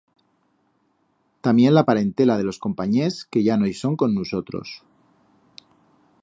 Tamién la parentela de los companyers que ya no i son con nusotros.